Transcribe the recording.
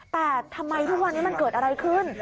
แต่ทำไมทุกวันนี้มันเกิดอะไรขึ้น